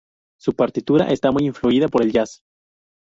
Su partitura está muy influida por el jazz.